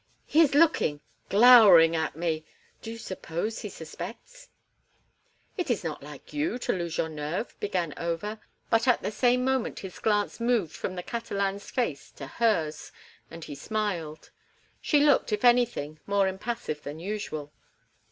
He is looking—glowering at me! Do you suppose he suspects?" "It is not like you to lose your nerve," began Over, but at the same moment his glance moved from the Catalan's face to hers, and he smiled. She looked, if anything, more impassive than usual.